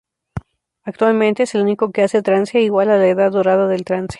Actualmente es el único que hace trance igual a la edad dorada del trance.